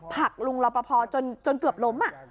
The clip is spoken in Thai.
ผักลุงรอปภจนเกือบล้ม